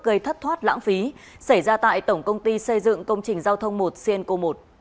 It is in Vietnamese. gây thất thoát lãng phí xảy ra tại tổng công ty xây dựng công trình giao thông một sienco một